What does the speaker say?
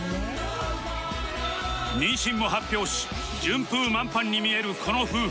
妊娠も発表し順風満帆に見えるこの夫婦